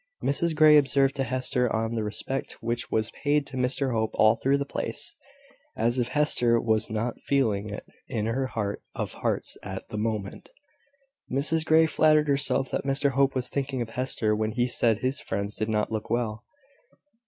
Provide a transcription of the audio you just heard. Mrs Grey observed to Hester on the respect which was paid to Mr Hope all through the place, as if Hester was not feeling it in her heart of hearts at the moment. Mrs Grey flattered herself that Mr Hope was thinking of Hester when he said his friends did not look well.